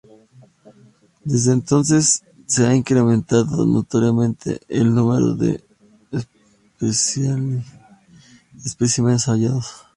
Desde entonces, se ha incrementado notoriamente el número de especímenes hallados.